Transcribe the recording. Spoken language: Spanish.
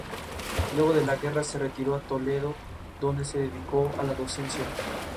Luego de la guerra, se retiró a Toledo, donde se dedicó a la docencia.